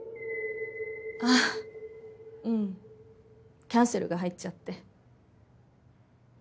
あぁうんキャンセルが入っちゃって。